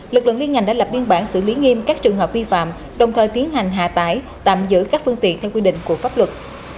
lực lượng liên ngành đã lập biên bản xử lý nghiêm các trường hợp vi phạm đồng thời tiến hành hạ tải tạm giữ các phương tiện theo quy định của pháp luật